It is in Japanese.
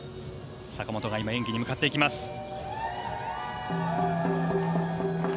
坂本が今演技に向かっていきます。